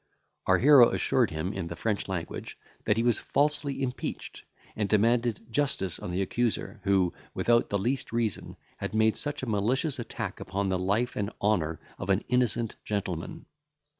Our hero assured him, in the French language, that he was falsely impeached, and demanded justice on the accuser, who, without the least reason, had made such a malicious attack upon the life and honour of an innocent gentleman.